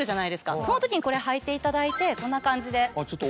そのときにこれ履いていただいてこんな感じで。